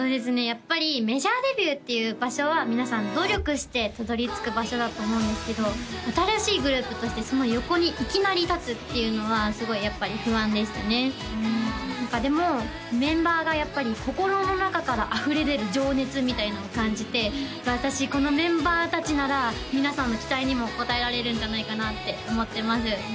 やっぱりメジャーデビューっていう場所は皆さん努力してたどり着く場所だと思うんですけど新しいグループとしてその横にいきなり立つっていうのはすごいやっぱり不安でしたねでもメンバーがやっぱり心の中からあふれ出る情熱みたいなのを感じて私このメンバー達なら皆さんの期待にも応えられるんじゃないかなって思ってます